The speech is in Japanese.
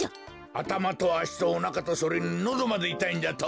あたまとあしとおなかとそれにのどまでいたいんじゃと！？